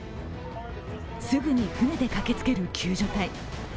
すぐに船で駆けつける救助隊。